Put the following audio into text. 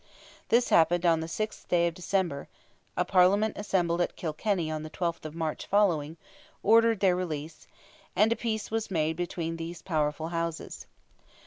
This happened on the 6th day of December; a Parliament assembled at Kilkenny on the 12th of March following, ordered their release; and a peace was made between these powerful houses.